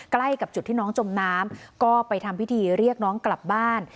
ใกล้กับจุดที่น้องจมน้ำก็ไปทำพิธีเรียกน้องกลับบ้าน